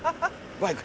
バイク。